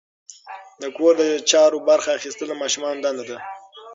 د کور د چارو برخه اخیستل د ماشومانو دنده ده.